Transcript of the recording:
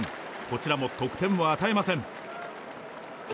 こちらも得点を与えません。